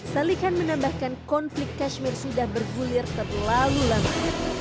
salikan menambahkan konflik kashmir sudah bergulir terlalu lama